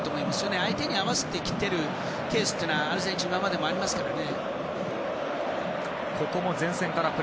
相手に合わせてきているケースが今までアルゼンチン側もありますからね。